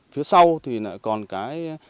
phía sau thì còn cái